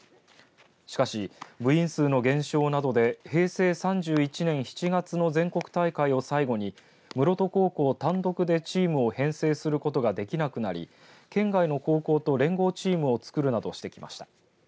しかし部員数の減少などで平成３１年７月の全国大会を最後に室戸高校単独でチームを編成することができなくなり県外の高校と連合チームを作るなどしてきました。